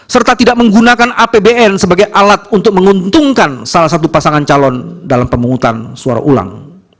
serta tidak menggunakan apbn sebagai alat untuk menguntungkan salah satu pasangan calon dalam pemungutan suara ulang